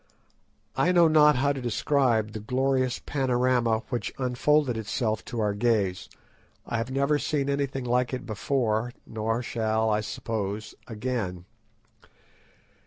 I know not how to describe the glorious panorama which unfolded itself to our gaze. I have never seen anything like it before, nor shall, I suppose, again.